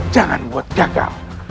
jangan buat gagal